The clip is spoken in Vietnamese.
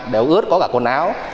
đều ướt có cả quần áo